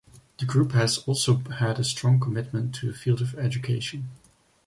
The group has also had a strong commitment in the field of education.